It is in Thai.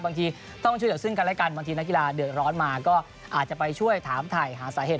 บางทีต้องช่วยเหลือซึ่งกันและกันบางทีนักกีฬาเดือดร้อนมาก็อาจจะไปช่วยถามถ่ายหาสาเหตุ